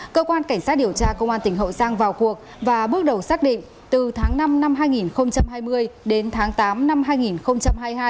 cơ quan cảnh sát điều tra công an tỉnh hậu giang vào cuộc và bước đầu xác định từ tháng năm năm hai nghìn hai mươi đến tháng tám năm hai nghìn hai mươi hai